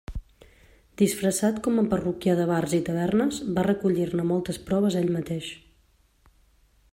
Disfressat com a parroquià de bars i tavernes, va recollir-ne moltes proves ell mateix.